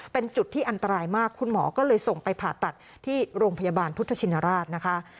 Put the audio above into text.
เป็นจุดที่อันตรายมากคุณหมอก็เลยส่งไปผ่าตัดที่โรงพยาบาลพุทธชินราชนะคะ